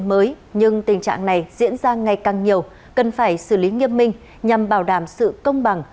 đây không phải là câu chuyện mới nhưng tình trạng này diễn ra ngày càng nhiều cần phải xử lý nghiêm minh nhằm bảo đảm sự công bằng